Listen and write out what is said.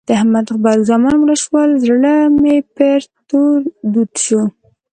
د احمد غبرګ زامن مړه شول؛ زړه مې پر تور دود شو.